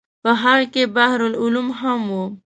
په هغو کې بحر العلوم هم و.